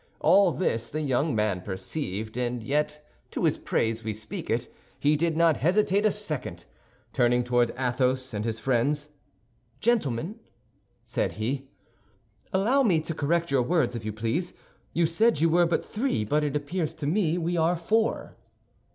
All this the young man perceived, and yet, to his praise we speak it, he did not hesitate a second. Turning towards Athos and his friends, "Gentlemen," said he, "allow me to correct your words, if you please. You said you were but three, but it appears to me we are four."